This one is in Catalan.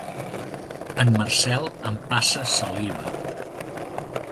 El Marcel empassa saliva.